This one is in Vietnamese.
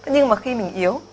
nhưng mà khi mình yếu